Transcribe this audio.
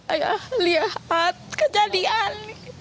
ayah lihat kejadian